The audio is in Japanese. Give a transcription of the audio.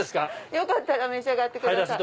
よかったら召し上がってください。